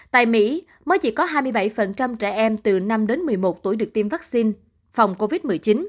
tại mỹ mới chỉ có hai mươi bảy trẻ em từ năm đến một mươi một tuổi được tiêm vaccine phòng covid một mươi chín